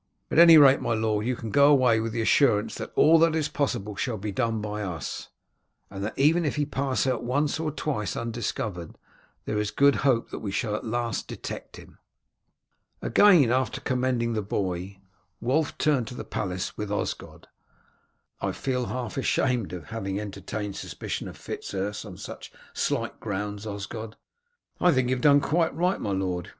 At any rate, my lord, you can go away with the assurance that all that is possible shall be done by us, and that even if he pass out once or twice undiscovered there is good hope that we shall at last detect him." After again commending the boy, Wulf returned to the palace with Osgod. "I feel half ashamed of having entertained a suspicion of Fitz Urse on such slight grounds, Osgod." "I think you have done quite right, my lord.